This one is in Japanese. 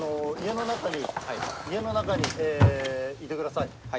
家の中に家の中にいてください。